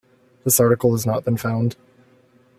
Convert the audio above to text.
This article has not been found.